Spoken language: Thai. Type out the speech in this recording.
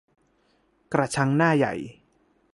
กระชังหน้าใหญ่